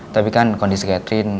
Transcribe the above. tapi kan kondisi catherine itu ya